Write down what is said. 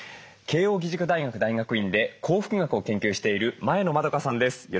慶應義塾大学大学院で幸福学を研究している前野マドカさんです。